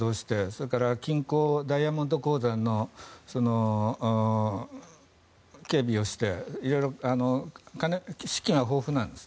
それから金鉱ダイヤモンド鉱山の警備をしていろいろ資金は豊富なんです。